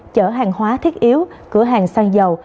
chở hàng hóa thiết yếu cửa hàng sang dầu